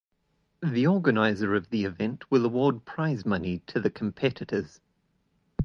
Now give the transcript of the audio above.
The organiser of the event will award prize money to the competitors.